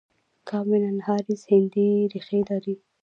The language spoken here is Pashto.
کاملا هاریس هندي ریښې لري.